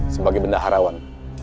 sebagai benda harawan